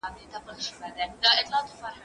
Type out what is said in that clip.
بیابه لوړ نوم دافغان کړو